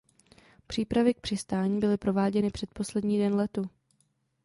Přípravy k přistání byly prováděny předposlední den letu.